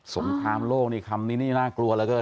สงครามโลกนี่คำนี้น่ากลัวแล้วก็เนี่ย